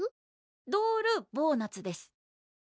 ドールボーナツです